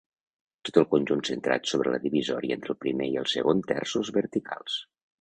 Tot el conjunt centrat sobre la divisòria entre el primer i el segon terços verticals.